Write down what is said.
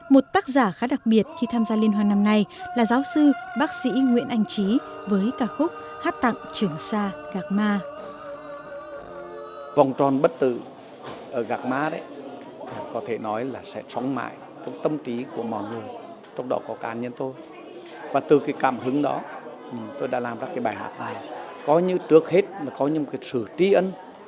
một tác giả khá đặc biệt khi tham gia liên hoa năm nay là giáo sư bác sĩ nguyễn anh trí với ca khúc hát tặng trường sa gạc ma